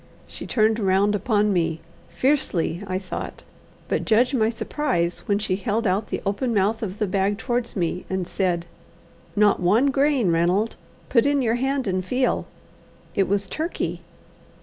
She turned round upon me fiercely, I thought, but judge my surprise when she held out the open mouth of the bag towards me, and said "Not one grain, Ranald! Put in your hand and feel." It was Turkey.